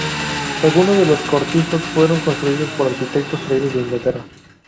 Algunos de los cortijos fueron construidos por arquitectos traídos de Inglaterra.